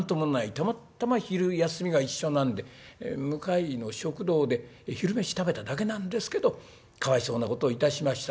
たまたま昼休みが一緒なんで向かいの食堂で昼飯食べただけなんですけどかわいそうなことをいたしました。